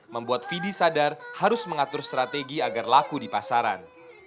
membuat fidi sadar harus mengatur strategi agar laku di pasaran